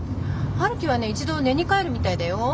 陽樹はね一度寝に帰るみたいだよ。